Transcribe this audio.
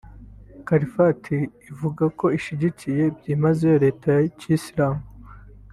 Califat ivuga ko ishyigikiye byimazeyo leta ya Kiyisiramu